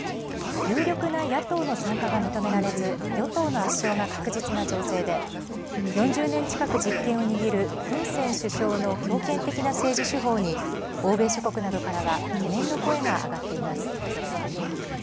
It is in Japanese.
有力な野党の参加が認められず、与党の圧勝が確実な情勢で、４０年近く実権を握るフン・セン首相の強権的な政治手法に、欧米諸国などからは懸念の声が上がっています。